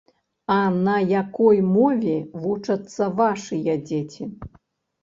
А на якой мове вучацца вашыя дзеці?